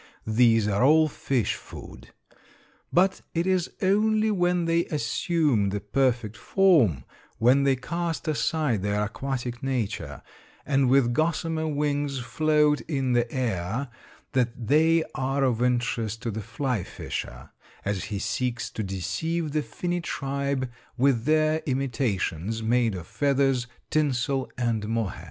These are all fish food. But it is only when they assume the perfect form, when they cast aside their aquatic nature, and with gossamer wings float in the air, that they are of interest to the fly fisher as he seeks to deceive the finny tribe with their imitations, made of feathers, tinsel, and mohair.